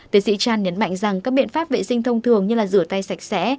tiến sĩ chan nhấn mạnh rằng các biện pháp vệ sinh thông thường như rửa tay sạch sẽ